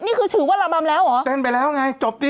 นี่คือถือว่าระบำแล้วเหรอเต้นไปแล้วไงจบสิ